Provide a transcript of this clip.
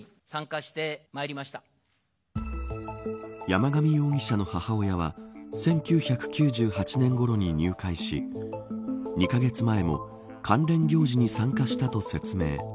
山上容疑者の母親は１９９８年ごろに入会し２カ月前も関連行事に参加したと説明。